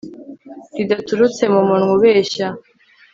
ridaturutse mu munwa ubeshya